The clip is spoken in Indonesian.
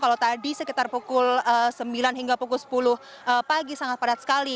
kalau tadi sekitar pukul sembilan hingga pukul sepuluh pagi sangat padat sekali